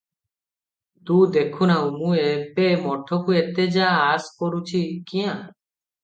ତୁ ଦେଖୁ ନାହୁଁ, ମୁଁ ଏବେ ମଠକୁ ଏତେ ଯା-ଆସ କରୁଛି କ୍ୟାଁ?